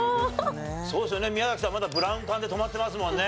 そうですよね宮崎さんまだブラウン管で止まってますもんね。